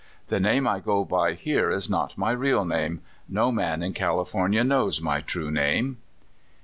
The name I go by here is not my real name — no man in California knows my true name."